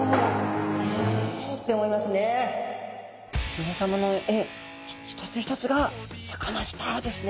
皆さまの絵一つ一つがサカナスターですね。